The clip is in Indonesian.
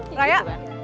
eh udah nih ya